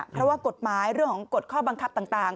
เพราะว่ากฎหมายเรื่องของกฎข้อบังคับต่าง